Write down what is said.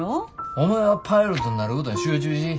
お前はパイロットになることに集中し。